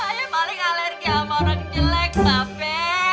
ayah paling alergi sama orang jelek mbak me